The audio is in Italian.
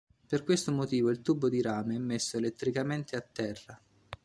Per questo motivo il tubo di rame è messo elettricamente a terra.